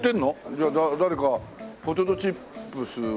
じゃあ誰かポテトチップスを。